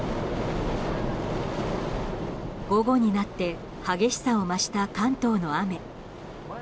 午後になって激しさを増した関東の雨。